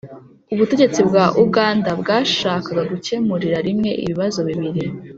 ubutegetsi bwa uganda bwashakaga gukemurira rimwe ibibazo bibiri